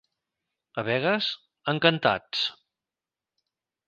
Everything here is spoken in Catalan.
A Begues, encantats.